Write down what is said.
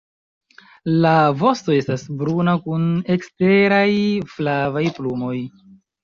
La vosto estas bruna kun eksteraj flavaj plumoj.